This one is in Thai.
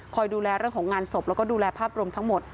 ดูแลเรื่องของงานศพแล้วก็ดูแลภาพรวมทั้งหมด